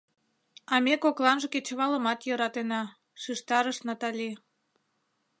— А ме кокланже кечывалымат йӧратена, — шижтарыш Натали.